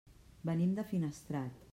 Venim de Finestrat.